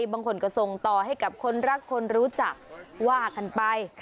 บางคนก็ส่งต่อให้กับคนรักคนรู้จักว่ากันไป